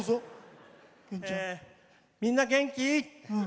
みんな元気？